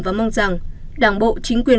và mong rằng đảng bộ chính quyền